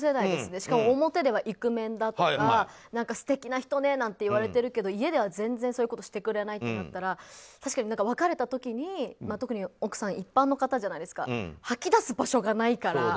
しかも表ではイクメンだとか素敵な人ねなんて言われているけど家では全然そういうことしてくれないとなったら確かに別れた時に特に奥さんは一般の方じゃないですか吐き出す場所がないから。